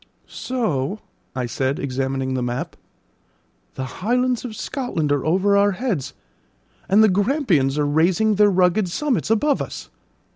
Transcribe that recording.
"So," I said, examining the map, "the Highlands of Scotland are over our heads, and the Grampians are raising their rugged summits above us."